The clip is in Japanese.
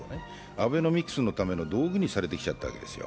アベノミクスのための道具にされてきちゃったわけですよ。